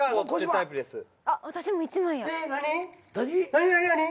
何何何？